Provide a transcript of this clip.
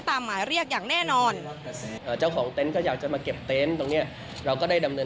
ตามหมายเรียกอย่างแน่นอน